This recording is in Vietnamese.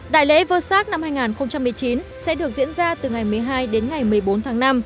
đại lễ vơ sát năm hai nghìn một mươi chín sẽ được diễn ra từ ngày một mươi hai đến ngày một mươi bốn tháng năm